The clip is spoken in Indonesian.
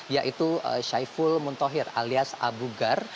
yaitu saiful muntohir alias abu gar